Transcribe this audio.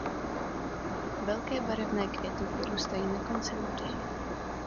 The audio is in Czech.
Velké barevné květy vyrůstají na konci lodyhy.